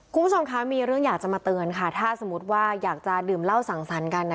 คุณผู้ชมคะมีเรื่องอยากจะมาเตือนค่ะถ้าสมมุติว่าอยากจะดื่มเหล้าสั่งสรรค์กันนะ